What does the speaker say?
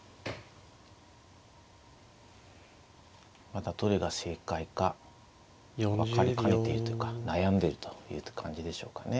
まだどれが正解か分かりかねているというか悩んでるという感じでしょうかね。